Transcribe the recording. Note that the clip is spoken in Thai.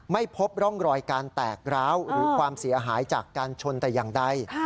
ไม่พบร่องรอยการแตกร้าวหรือความเสียหายจากการชนแต่อย่างใด